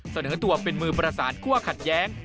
เสนอตัวเป็นมือประสานคั่วขัดแย้ง